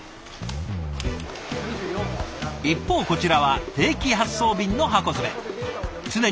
一方こちらは定期発送便の箱詰め。